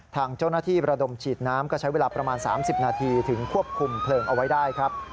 ทางเจ้าหน้าที่ประดมฉีดน้ำก็ใช้เวลาประมาณ๓๐นาทีถึงควบคุมเพลิงเอาไว้ได้ครับ